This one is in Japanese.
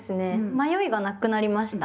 迷いがなくなりました。